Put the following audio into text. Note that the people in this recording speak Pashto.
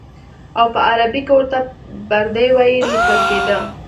او په عربي کې ورته بردي وایي لیکل کېده.